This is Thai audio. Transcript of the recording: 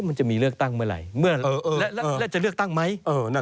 มันจะมีเลือกตั้งเมื่อไหร่แล้วจะเลือกตั้งไหม